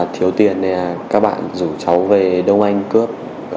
thiếu tiền này là các bạn rủ cháu về đông anh cướp